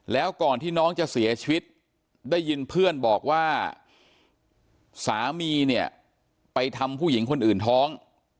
แล้วก่อนที่น้องจะเสียชีวิตได้ยินเพื่อนบอกว่าสามีเนี่ยไปทำผู้หญิงคนอื่นท้อง